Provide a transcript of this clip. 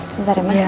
sebentar ya mana